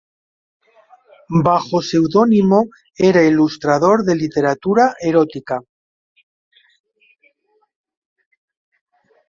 Bajo pseudónimo era ilustrador de literatura erótica.